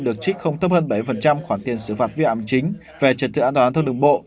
được trích không tấp hơn bảy khoản tiền xử phạt vi phạm chính về trật tự an toàn thông đường bộ